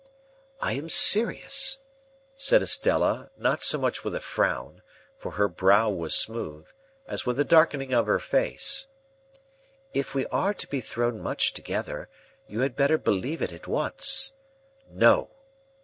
"I am serious," said Estella, not so much with a frown (for her brow was smooth) as with a darkening of her face; "if we are to be thrown much together, you had better believe it at once. No!"